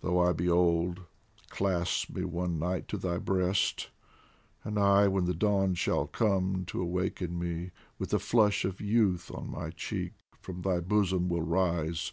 Though I be old, clasp me one night to thy breast, And I, when the dawn shall come to awaken me, With the flush of youth on my cheek from thy bosom will rise.